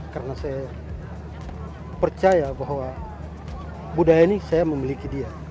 karena saya percaya bahwa budaya ini saya memiliki dia